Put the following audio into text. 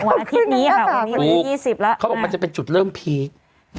อันที่๒๐แล้วเขาบอกมันจะเป็นจุดเริ่มเพีก